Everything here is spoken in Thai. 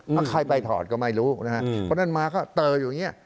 ถ้าใครไปถอดก็ไม่รู้นะฮะเพราะฉะนั้นมาก็เตออยู่อย่างนี้